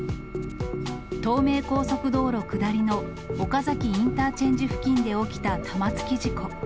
東名高速道路下りの岡崎インターチェンジ付近で起きた玉突き事故。